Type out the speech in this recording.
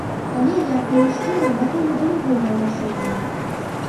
Але я, калі шчыра, гатовы да любога рашэння.